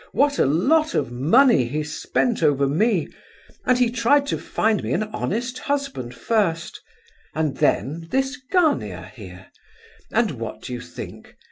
What a lot of money he spent over me! And he tried to find me an honest husband first, and then this Gania, here. And what do you think?